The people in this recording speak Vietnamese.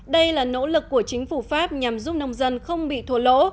đây là nỗ lực của chính phủ pháp nhằm giúp nông dân không bị thua lỗ